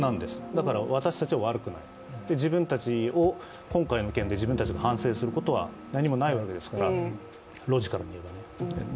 だから私たちは悪くない今回の件で自分たちが反省することは何もないわけですから、ロジカルな面で。